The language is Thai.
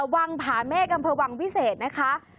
วังผาเมฆอำเภอวังวิเศษนะคะ